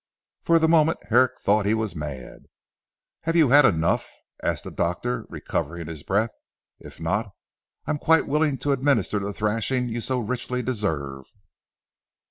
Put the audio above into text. For the moment Herrick thought he was mad. "Have you had enough?" asked the doctor recovering his breath, "if not I am quite willing to administer the thrashing you so richly deserve."